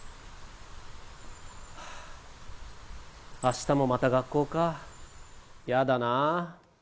明日もまた学校か、やだな。